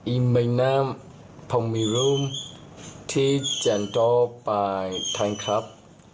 อีไม่น้ำพรหมิรุมที่จันทร์ปลายทั้งครับ